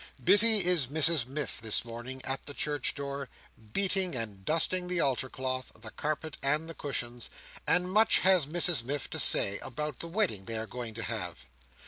Busy is Mrs Miff this morning at the church door, beating and dusting the altar cloth, the carpet, and the cushions; and much has Mrs Miff to say, about the wedding they are going to have.